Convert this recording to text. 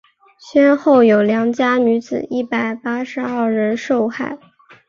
先后有良家女子一百八十二人受害。